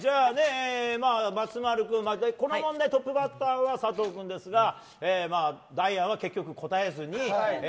この問題トップバッターは佐藤君ですがダイアンは結局答えずに。